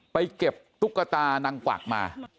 ไปเก็บตุ๊กตานางกวักมา